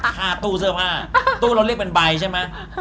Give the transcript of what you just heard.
ตู้เสื้อผ้าตู้เราเรียกเป็นใบใช่ไหม